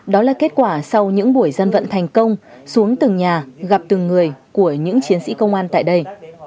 đó là kết quả sau những buổi dân vận thành công xuống từng nhà gặp từng người của những chiến sĩ công an tại đây